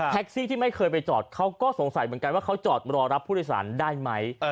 ซี่ที่ไม่เคยไปจอดเขาก็สงสัยเหมือนกันว่าเขาจอดรอรับผู้โดยสารได้ไหม